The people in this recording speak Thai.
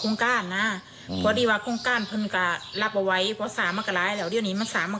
นักท่องเที่ยวก็ไม่มาก